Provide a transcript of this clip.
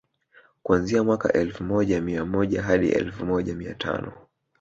kuanzia mwaka elfu moja mia moja hadi elfu moja mia tano